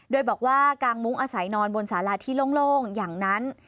โดยบอกว่ากางมุ้งอาศัยนอนบนสาราที่โล่งอย่างนั้น